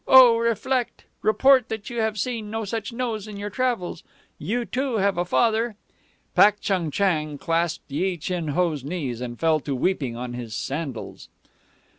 O reflect! Report that you have seen no such nose in your travels. You, too, have a father." Pak Chung Chang clasped Yi Chin Ho's knees and fell to weeping on his sandals.